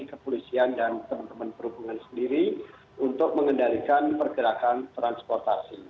kepolisian dan teman teman perhubungan sendiri untuk mengendalikan pergerakan transportasi